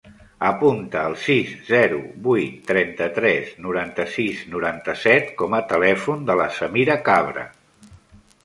Apunta el sis, zero, vuit, trenta-tres, noranta-sis, noranta-set com a telèfon de la Samira Cabra.